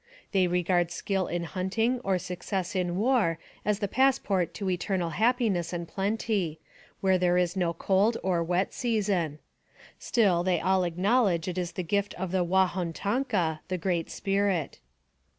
They regard skill in hunting or success in war as the pass port to eternal happiness and plenty, where there is no cold or wet season. Still they all acknowledge it is the gift of the " Wa hon Tonka," the Great Spirit.